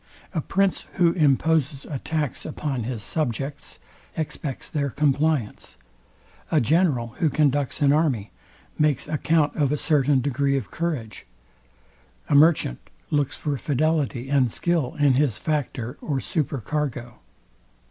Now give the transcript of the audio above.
A prince, who imposes a tax upon his subjects, expects their compliance. A general, who conducts an army, makes account of a certain degree of courage. A merchant looks for fidelity and skill in his factor or super cargo.